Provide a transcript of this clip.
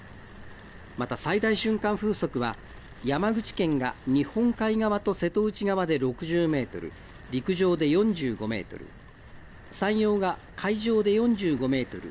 また最大瞬間風速は山口県が日本海側と瀬戸内側で６０メートル、陸上で４５メートル、山陽が海上で４５メートル